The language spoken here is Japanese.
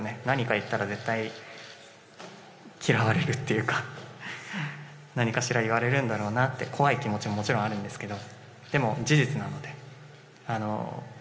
何か言ったら絶対嫌われるというか何かしら言われるんだろうなという怖い気持ちももちろんあるんですけどでも、事実なので。